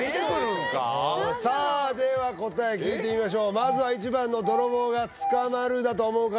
何だろうさあでは答え聞いてみましょうまずは１番の泥棒が捕まるだと思う方